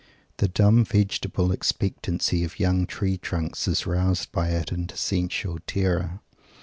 The dumb vegetable expectancy of young tree trunks is roused by it into sensual terror.